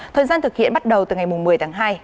thời gian thực hiện bắt đầu từ ngày một mươi tháng hai